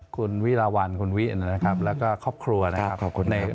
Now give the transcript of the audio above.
คุณวิราวัลคุณวินะครับแล้วก็ครอบครัวนะครับ